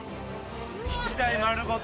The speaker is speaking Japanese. １台丸ごと。